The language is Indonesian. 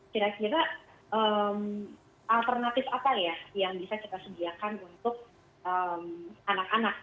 kira kira alternatif apa ya yang bisa kita sediakan untuk anak anak